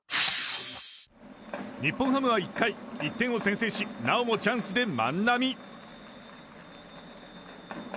日本ハムは１回１点を先制しなおもチャンスで万波。